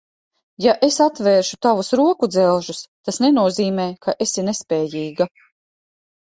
Ja es atvēršu tavus rokudzelžus, tas nenozīmē, ka esi nespējīga.